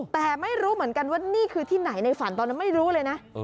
แต่ไม่รู้เหมือนกันว่านี่คือที่ไหนในฝันตอนนั้นไม่รู้เลยนะ